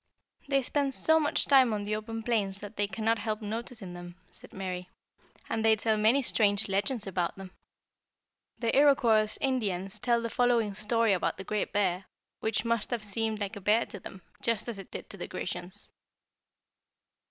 "They spend so much time on the open plains that they cannot help noticing them," said Mary; "and they tell many strange legends about them. The Iroquois Indians tell the following story about the Great Bear, which must have seemed like a Bear to them, just as it did to the Grecians.